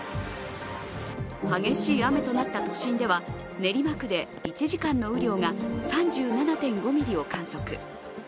激しい雨となった都心では練馬区で１時間の雨量が３７．５ミリを観測。